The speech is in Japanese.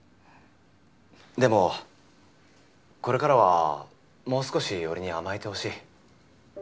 でもこれからはもう少し俺に甘えてほしい。